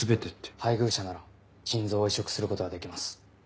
配偶者なら腎臓を移植することができます。